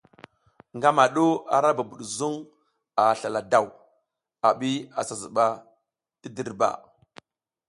Ngama du ara bubud zuŋ a slala daw, a bi a sa zuɓa ti dirba.